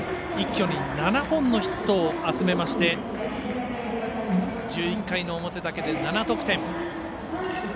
一挙に７本のヒットを集めまして１１回の表だけで７得点。